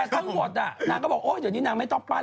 แต่ทั้งหมดนางก็บอกโอ๊ยเดี๋ยวนี้นางไม่ต้องปั้น